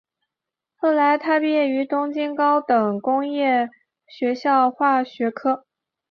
后来他毕业于东京高等工业学校化学科。